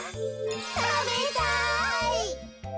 たべたい。